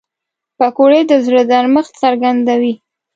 پکورې د زړه نرمښت څرګندوي